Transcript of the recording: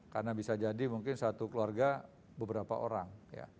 karena bisa jadi mungkin satu keluarga beberapa orang